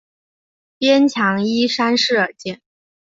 边墙依山势而建。